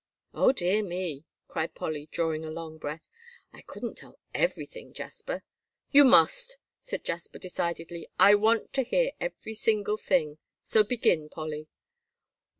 "O dear me!" cried Polly, drawing a long breath, "I couldn't tell everything, Jasper." "You must," said Jasper, decidedly. "I want to hear every single thing; so begin, Polly."